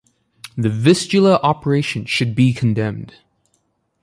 The Vistula operation should be condemned.